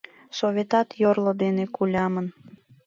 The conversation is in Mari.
Советат йорло дене кулямын.